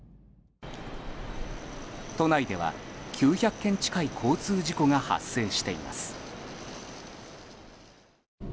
都内では９００件近い交通事故が発生しています。